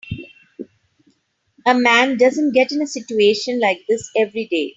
A man doesn't get in a situation like this every day.